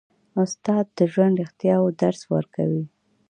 استاد د ژوند د رښتیاوو درس ورکوي.